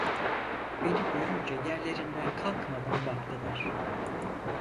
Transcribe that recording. Beni görünce yerlerinden kalkmadan baktılar.